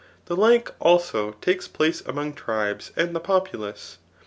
The Ifke, also, takes place among tribes and the populace.